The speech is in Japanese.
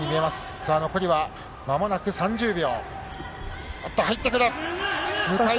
さあ、残りはまもなく３０秒。